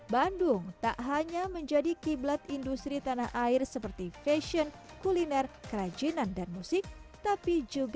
bandung tak hanya menjadi kiblat industri tanah air seperti fashion kuliner kerajinan dan musik tapi juga